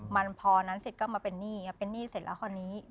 มันพอนั้นเสร็จก็มาเป็นหนี้เป็นหนี้เสร็จแล้วคราวนี้